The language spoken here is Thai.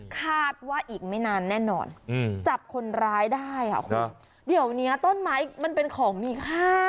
คาดว่าอีกไม่นานแน่นอนจับคนร้ายได้ค่ะคุณเดี๋ยวเนี้ยต้นไม้มันเป็นของมีค่า